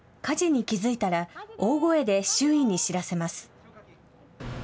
火事に気付いたら大声で周囲に知らせます。